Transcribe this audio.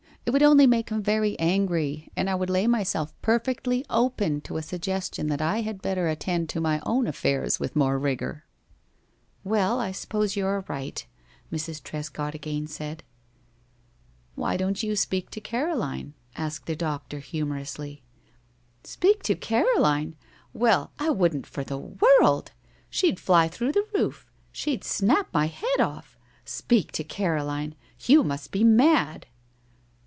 It would only make him very angry, and I would lay myself perfectly open to a suggestion that I had better attend to my own affairs with more rigor." "Well, I suppose you are right," Mrs. Trescott again said. "Why don't you speak to Caroline?" asked the doctor, humorously. "Speak to Caroline! Why, I wouldn't for the world! She'd fly through the roof. She'd snap my head off! Speak to Caroline! You must be mad!"